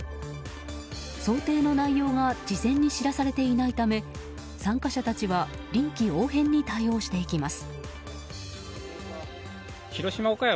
想定の内容が事前に知らされていないため参加者たちは臨機応変に対応していきます。